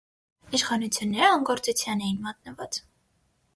Իշխանությունները անգործության էին մատնված։